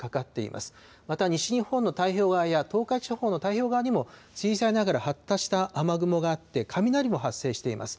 また、西日本の太平洋側や、東海地方の太平洋側にも小さいながら発達した雨雲があって、雷も発生しています。